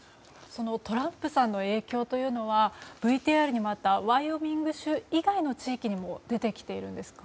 そのトランプさんの影響というのはＶＴＲにもあったワイオミング州以外の地域にも出てきているんですか。